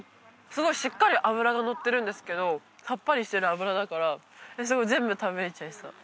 すごいしっかり脂がのってるんですけどさっぱりしてる脂だからすごい全部食べれちゃいそう